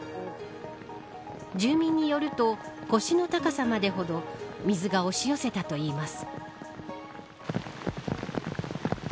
住民によると、腰の高さほどまで水が押し寄せたといいます。